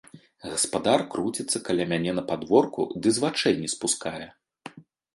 Гаспадар круціцца каля мяне на падворку ды з вачэй не спускае.